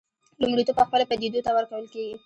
لومړیتوب پخپله پدیدو ته ورکول کېږي.